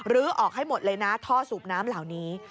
ออกให้หมดเลยนะท่อสูบน้ำเหล่านี้